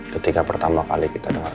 ketika pertama kali kita dengar